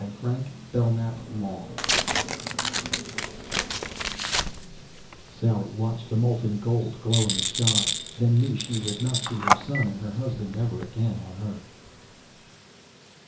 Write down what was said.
Frank Belknap Long_ Sally watched the molten gold glow in the sky. Then knew she would not see her son and her husband ever again on Earth.